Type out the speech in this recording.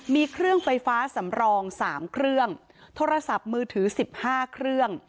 มีเครื่องไฟฟ้าสำรอง๓เครื่องโทรศัพท์มือถือ๑๕เครื่อง